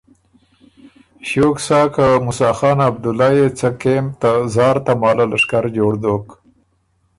ݭیوک سا که موسیٰ خان عبدُلّئ يې څه کېم ته زار تماله لشکر جوړ دوک